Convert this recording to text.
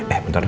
eh bentar ya